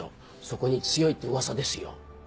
そこに強いって噂ですよ。